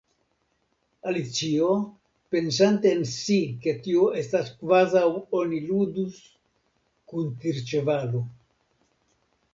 Alicio, pensante en si ke tio estas kvazaŭ oni ludus kun tirĉevalo.